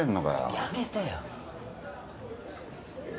やめてよ